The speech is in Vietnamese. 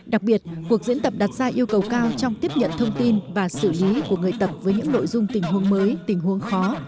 đặc biệt cuộc diễn tập đặt ra yêu cầu cao trong tiếp nhận thông tin và xử lý của người tập với những nội dung tình huống mới tình huống khó